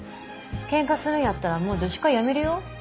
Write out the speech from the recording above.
けんかするんやったらもう女子会やめるよ？